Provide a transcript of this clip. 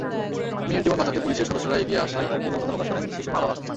মেয়ের জীবন বাঁচাতে পুলিশের সদস্যরা এগিয়ে আশায় কৃতজ্ঞতা প্রকাশ করেন শিশুর মা-বাবা।